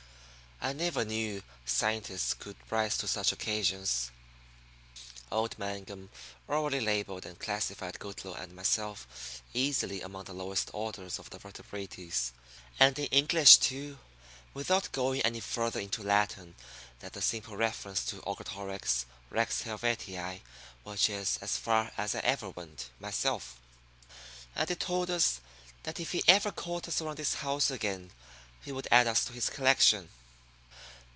I never knew scientists could rise to such occasions. Old Mangum orally labelled and classified Goodloe and myself easily among the lowest orders of the vertebrates; and in English, too, without going any further into Latin than the simple references to Orgetorix, Rex Helvetii which is as far as I ever went, myself. And he told us that if he ever caught us around his house again he would add us to his collection.